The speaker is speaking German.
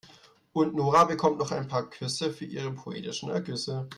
Und Nora bekommt noch ein paar Küsse für ihre poetischen Ergüsse.